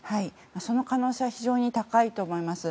その可能性は非常に高いと思います。